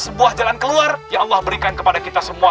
sebuah jalan keluar ya allah berikan kepada kita semua